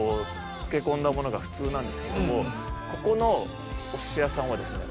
漬け込んだものが普通なんですけどもここのお寿司屋さんはですね